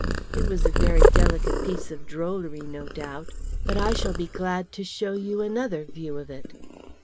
It was a very delicate piece of drollery, no doubt. But I shall be glad to show you another, view of it.'